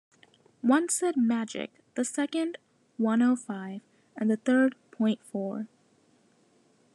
One said "Magic", the second "One-oh-five" and the third "Point-four".